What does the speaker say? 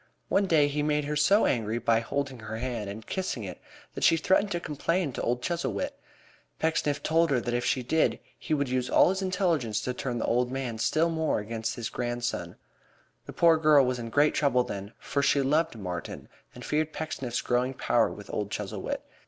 One day he made her so angry by holding her hand and kissing it that she threatened to complain to old Chuzzlewit. Pecksniff told her that if she did he would use all his influence to turn the old man still more against his grandson. The poor girl was in great trouble then, for she loved Martin and feared Pecksniff's growing power with old Chuzzlewit.